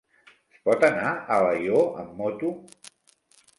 Es pot anar a Alaior amb moto?